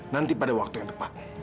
nanti pada waktu yang tepat